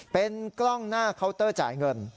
เป็นกล้องหน้าเคาน์เตอร์จ่ายเงิน